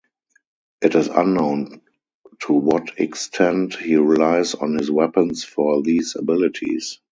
It is unknown to what extent he relies on his weapons for these abilities.